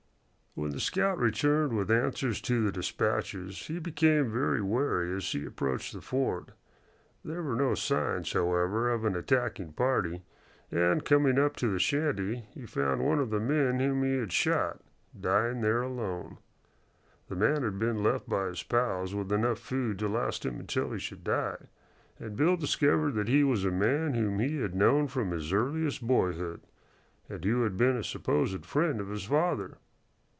When the scout returned with answers to the dispatches he became very wary as he approached the ford. There were no signs, however, of an attacking party, and, coming up to the shanty, he found one of the men whom he had shot dying there alone. The man had been left by his pals with enough food to last him until he should die, and Bill discovered that he was a man whom he had known from his earliest boyhood, and who had been a supposed friend of his father.